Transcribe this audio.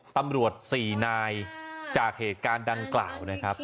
ตำรวจ๔นายจากเหตุการณ์ดังกล่าวนะครับ